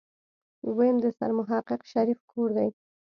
ويم د سرمحقق شريف کور دی.